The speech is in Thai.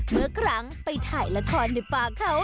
เมื่อครั้งไปถ่ายละครในป่าเขา